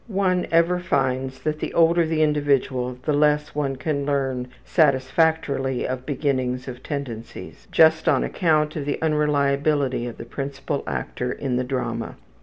One ever finds that the older the individual the less one can learn satisfactorily of beginnings of tendencies, just on account of the unreliability of the principal actor in the drama.